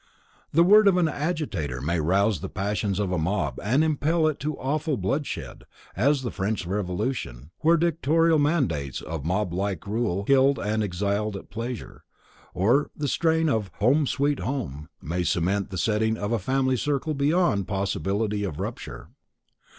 The word of an agitator may rouse the passions of a mob and impel it to awful bloodshed, as in the French Revolution, where dictatorial mandates of mob rule killed and exiled at pleasure, or, the strain of "Home, Sweet Home" may cement the setting of a family circle beyond possibility of rupture.